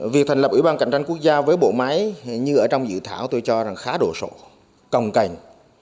việc thành lập ủy ban cạnh tranh quốc gia với bộ máy như ở trong dự thảo tôi cho rằng khá đổ sổ còng cành